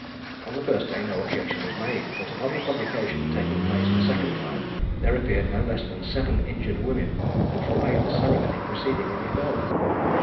On the first day no objection was made; but upon the publication taking place the second time, there appeared no less than seven injured women, who forbade the ceremony proceeding any further.